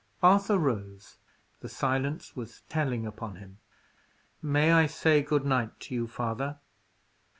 Arthur rose; the silence was telling upon him. "May I say good night to you, father?"